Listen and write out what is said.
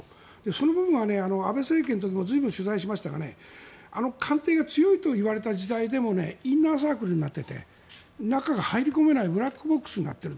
その部分は安倍政権の時も随分取材をしましたが官邸が強いといわれた時代でもインナーサークルになっていて中へ入り込めないブラックボックスになっている。